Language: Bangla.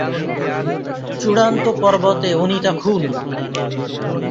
চূড়ান্ত পর্বতে অনিতা খুন!